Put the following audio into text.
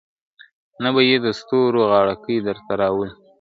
نه به یې د ستورو غاړګۍ درته راوړې وي `